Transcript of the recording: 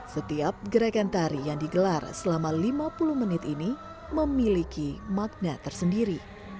setiap gerakan tari yang digelar selama lima puluh menit ini memiliki makna tersendiri